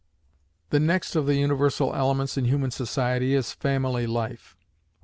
The next of the universal elements in human society is family life; which M.